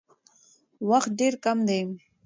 وخت ډېر کم دی.